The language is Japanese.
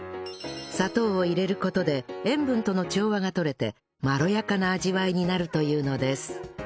砂糖を入れる事で塩分との調和がとれてまろやかな味わいになるというのです